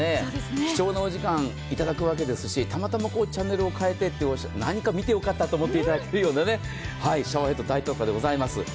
貴重なお時間をいただくわけですし、たまたまチャンネルを変えて、何か見てよかったと思ってもらえるような、シャワーヘッド大特価でございます。